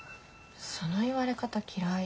その言われ方嫌い。